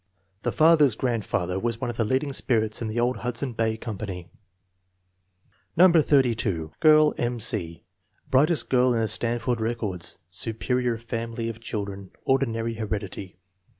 The father's grandfather was one of the leading spirits in the old Hudson Bay Company. No. 82. Girl: M. C. Brightest girl in the Stan ford records. Superior family of children, ordinary heredity.